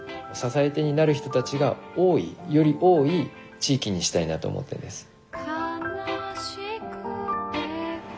支え手になる人たちが多いより多い地域にしたいなと思っているんです。